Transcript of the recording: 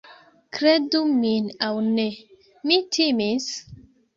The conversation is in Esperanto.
Kredu min aŭ ne, mi timis...